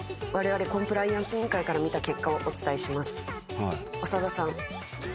われわれコンプライアンス委員会から見た結果をお伝えします。